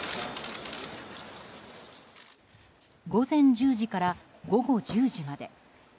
午前１０時から午後１０時まで。